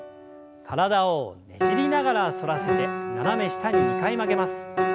体をねじりながら反らせて斜め下に２回曲げます。